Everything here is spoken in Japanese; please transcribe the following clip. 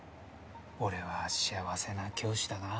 俺は幸せな教師だな